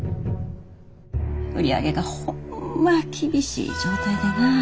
売り上げがホンマ厳しい状態でな。